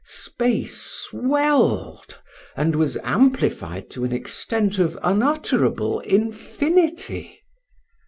Space swelled, and was amplified to an extent of unutterable infinity.